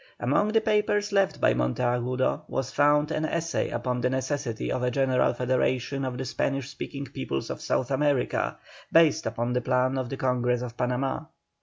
Among the papers left by Monteagudo was found an essay upon the necessity of a general federation of the Spanish speaking peoples of South America, based upon the plan of the Congress of Panama.